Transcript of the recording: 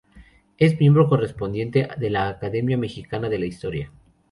Es miembro correspondiente de la Academia Mexicana de la Historia.